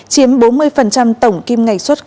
chiếm bốn mươi tổng kim ngạch xuất